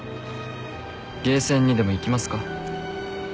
ゲーセンにでも行きますか。